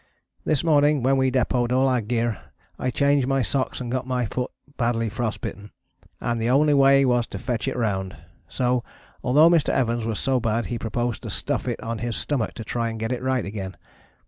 This morning when we depôted all our gear I changed my socks and got my foot badly frostbitten, and the only way was to fetch it round. So although Mr. Evans was so bad he proposed to stuff it on his stomach to try and get it right again.